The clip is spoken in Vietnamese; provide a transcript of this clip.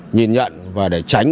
nhìn nhận và để tránh